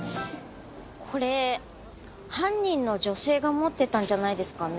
これ犯人の女性が持ってたんじゃないですかね？